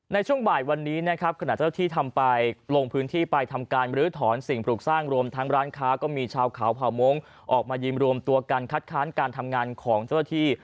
ในช่วงบ่ายวันนี้ขณะจัตรฐีลงพื้นที่ไปทำการหรือถอนสิ่งผลุกสร้างรวมทั้งร้านค้าก็มีชาวเขาเผาโมงออกมายิมรวมตัวการคัดค้านการทำงานของจัตรฐี